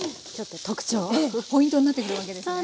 ポイントになってくるわけですね。